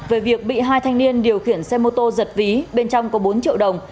về việc bị hai thanh niên điều khiển xe mô tô giật ví bên trong có bốn triệu đồng